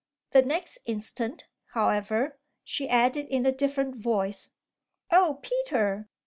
The next instant, however, she added in a different voice, "Oh Peter!"